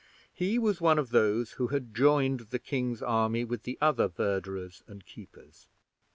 He was one of those who had joined the king's army with the other verderers and keepers.